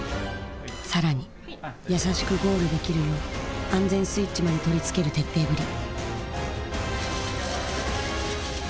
更に優しくゴールできるよう安全スイッチまで取りつける徹底ぶり。